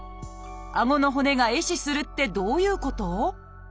顎の骨が壊死するってどういうこと？